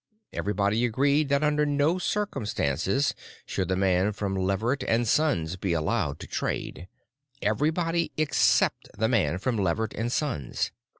Everybody agreed that under no circumstances should the man from Leverett and Sons be allowed to trade—everybody, except the man from Leverett and Sons.